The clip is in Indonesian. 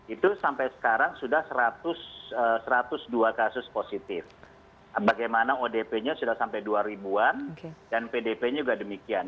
itu sampai sekarang sudah satu ratus dua kasus positif bagaimana odp nya sudah sampai dua ribu an dan pdp nya juga demikian